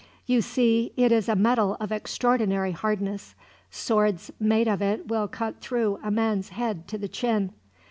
"You see it is a metal of extraordinary hardness. Swords made of it will cut through a man's head to the chin.